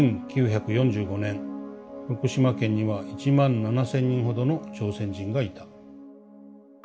１９４５年福島県には１万７０００人ほどの朝鮮人がいた。